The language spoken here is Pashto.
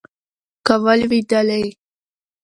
که ولوېدلې